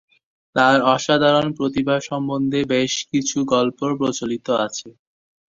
তার অসাধারণ প্রতিভা সম্বন্ধে বেশ কিছু গল্প প্রচলিত আছে।